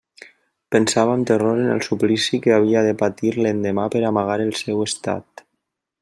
Pensava amb terror en el suplici que havia de patir l'endemà per a amagar el seu estat.